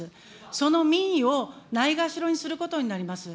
その民意をないがしろにすることになります。